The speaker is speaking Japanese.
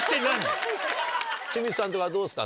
清水さんとかどうですか？